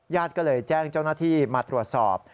ก็เลยแจ้งเจ้าหน้าที่มาตรวจสอบ